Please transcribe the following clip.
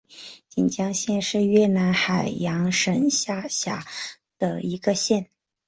锦江县是越南海阳省下辖的一个县。